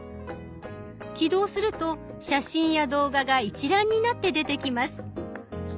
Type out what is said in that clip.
起動すると写真や動画が一覧になって出てきます。